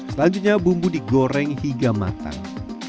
selanjutnya bumbu digoreng hingga matang